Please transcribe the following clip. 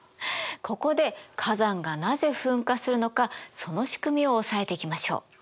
ここで火山がなぜ噴火するのかその仕組みを押さえていきましょう。